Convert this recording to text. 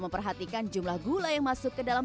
memperhatikan jumlah gula yang masuk ke dalam